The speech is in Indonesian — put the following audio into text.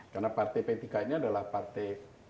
karena partai p tiga ini adalah partai